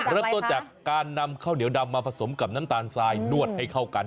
เริ่มต้นจากการนำข้าวเหนียวดำมาผสมกับน้ำตาลทรายนวดให้เข้ากัน